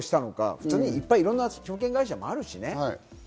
普通にいっぱい、いろんな証券会社もあるしね。